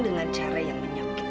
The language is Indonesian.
dengan cara yang menyakitkan lo